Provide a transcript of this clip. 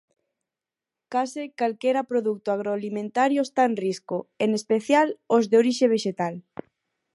Case calquera produto agroalimentario está en risco, en especial os de orixe vexetal.